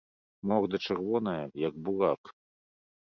Морда чырвоная, як бурак.